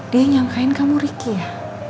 dia nyangkain kamu ricky ya